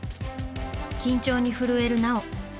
緊張に震える奈緒。